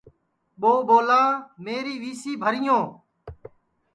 ٻو ٻولا میری وی سی بھریو تھم